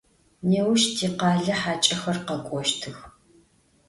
Nêuş tikhale haç'exer khek'oştıx.